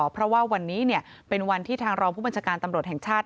เพราะว่าวันนี้เป็นวันที่ทางรองผู้บัญชาการตำรวจแห่งชาติ